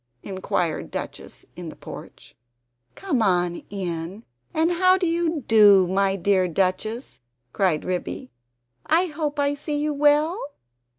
inquired Duchess in the porch. "Come in! and how do you do, my dear Duchess?" cried Ribby. "I hope I see you well?"